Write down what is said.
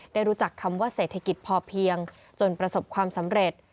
ได้รู้จักคำว่าเศรษฐกิจพอเพียงจนประสบความสำเร็จ